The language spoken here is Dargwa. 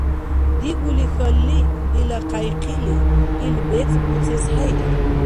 Дигули хьалли, дила хъяйхъили ил бецӀ буцес хӀейрар.